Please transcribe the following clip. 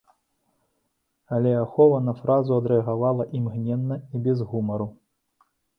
Але ахова на фразу адрэагавала імгненна і без гумару.